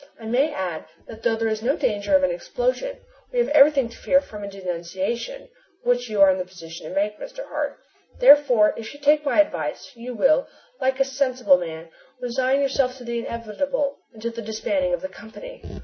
I may add that though there is no danger of an explosion, we have everything to fear from a denunciation which you are in the position to make, Mr. Hart. Therefore, if you take my advice, you will, like a sensible man, resign yourself to the inevitable until the disbanding of the company.